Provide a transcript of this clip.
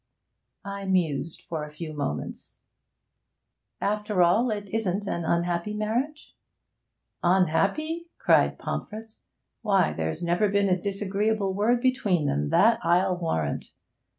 I mused for a few moments. 'After all, it isn't an unhappy marriage?' 'Unhappy?' cried Pomfret. 'Why, there's never been a disagreeable word between them, that I'll warrant.